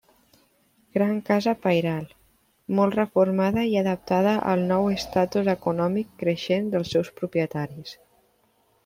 Gran casa pairal, molt reformada i adaptada al nou estatus econòmic creixent dels seus propietaris.